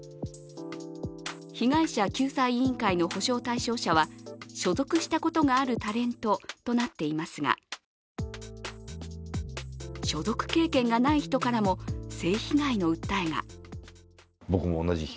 被害者救済委員会の補償対象者は所属したことがあるタレントとなっていますが所属経験がない人からも性被害の訴えが。